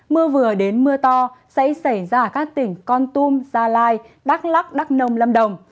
mưa vừa đến mưa to sẽ xảy ra ở các tỉnh con tum gia lai đắk lắc đắk nông lâm đồng